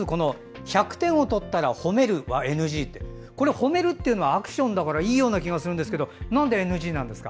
１００点を取ったら褒めるのはＮＧってこれ、褒めるというのはアクションだからいいような気がするんですがなんでＮＧなんですか？